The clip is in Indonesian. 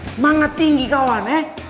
semangat tinggi kawan eh